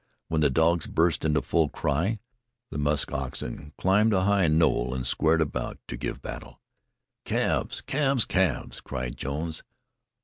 When the dogs burst into full cry, the musk oxen climbed a high knoll and squared about to give battle. "Calves! Calves! Calves!" cried Jones.